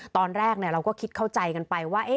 ตอนแรกเราก็คิดเข้าใจกันไปว่า